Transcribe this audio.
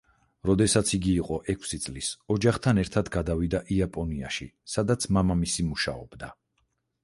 როდესაც იგი იყო ექვსი წლის, ოჯახთან ერთად გადავიდა იაპონიაში, სადაც მამამისი მუშაობდა.